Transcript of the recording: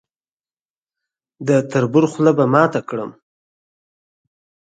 د تربور خوله به ماته کړي.